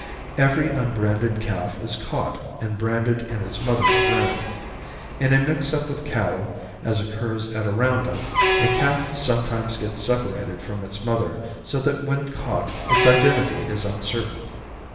Every unbranded calf is caught and branded in its mother's brand. In a mix up of cattle as occurs at a round up, a calf sometimes gets separated from its mother so that when caught its identity is uncertain.